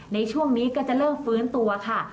ในช่วงนี้ก็จะเริ่มฟื้นตัวค่ะ